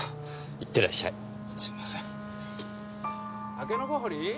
タケノコ掘り？